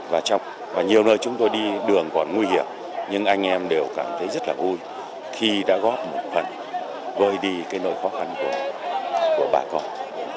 và nhiều nơi chúng tôi đi đường còn nguy hiểm nhưng anh em đều cảm thấy rất là vui khi đã góp một phần vơi đi cái nỗi khó khăn của bà con